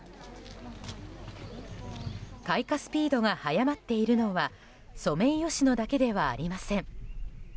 開花スピードが速まっているのはソメイヨシノだけではありません。